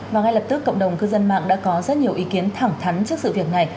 và ngay lập tức cộng đồng cư dân mạng đã có rất nhiều ý kiến thẳng thắn trước sự việc này